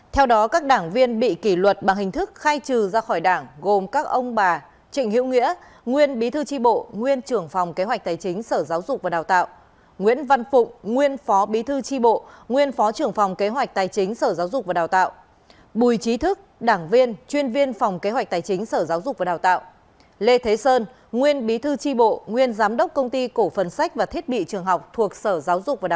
theo đó các đảng viên bị kỷ luật bằng hình thức khai trừ ra khỏi đảng gồm các ông bà trịnh hiệu nghĩa nguyên bí thư chi bộ nguyên trưởng phòng kế hoạch tài chính sở giáo dục và đào tạo nguyễn văn phụng nguyên phó bí thư chi bộ nguyên phó trưởng phòng kế hoạch tài chính sở giáo dục và đào tạo bùi trí thức đảng viên chuyên viên phòng kế hoạch tài chính sở giáo dục và đào tạo lê thế sơn nguyên bí thư chi bộ nguyên giám đốc công ty cổ phần sách và thiết bị trường học thuộc sở